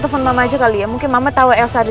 apinya makin gede